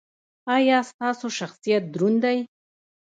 ایا ستاسو شخصیت دروند دی؟